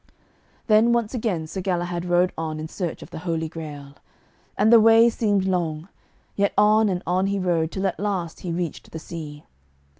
Then once again Sir Galahad rode on in search of the Holy Grail. And the way seemed long, yet on and on he rode, till at last he reached the sea.